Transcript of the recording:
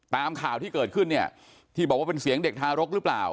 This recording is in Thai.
ตามข่าวที่เกิดขึ้นเนี่ยที่บอกว่าเป็นเสียงเด็กทารกหรือเปล่า